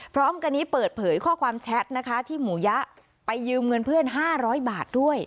พร้อมกันนี้เปิดเผยข้อความแชทนะคะที่หมูยะไปยืมเงินเพื่อน๕๐๐บาทด้วย